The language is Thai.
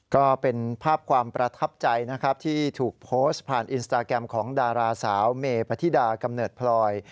ก็เป็นภาพความประทับใจนะครับที่ถูกโพสต์ผ่านอินสตาแกรมของดาราสาวเมพธิดากำเนิดพลอย